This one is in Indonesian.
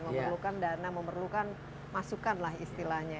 memerlukan dana memerlukan masukan lah istilahnya